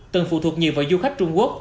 từng phụ thuộc nhiều vào du khách trung quốc